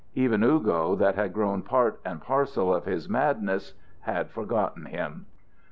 Even "Ugo," that had grown part and parcel of his madness, had forgotten him.